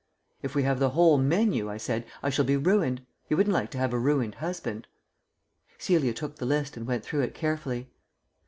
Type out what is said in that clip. "If we have the whole menu," I said, "I shall be ruined. You wouldn't like to have a ruined husband." Celia took the list and went through it carefully.